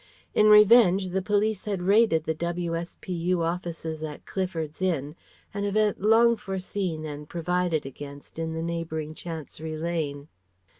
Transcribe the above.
In revenge the police had raided the W.S.P.U. offices at Clifford's Inn, an event long foreseen and provided against in the neighbouring Chancery Lane.